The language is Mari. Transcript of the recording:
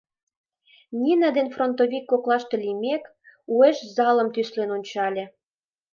Нина ден фронтовик коклаште лиймек, уэш залым тӱслен ончале.